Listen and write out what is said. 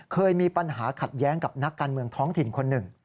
เคยมีปัญหาขัดแย้งกับนักการเมืองท้องถิ่นคนหนึ่ง